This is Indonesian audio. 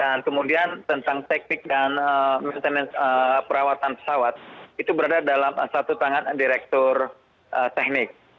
dan kemudian tentang teknik dan perawatan pesawat itu berada dalam satu tangan direktur teknik